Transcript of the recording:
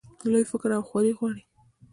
لوی فکر او خواري غواړي.